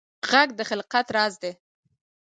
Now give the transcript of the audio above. غږ د خلقت راز دی